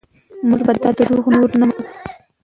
موږ به دا دروغ نور نه منو.